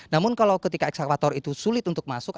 namun kalau ketika ekskavator itu sulit untuk masuk